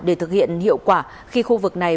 để thực hiện hiệu quả khi khu vực này